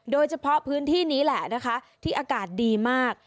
โดยเฉพาะพื้นที่นี้แหละนะคะที่อากาศดีมาก